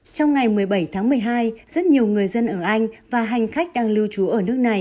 trong ngày một mươi bảy tháng một mươi hai rất nhiều người dân ở anh và hành khách đang lưu trú ở nước này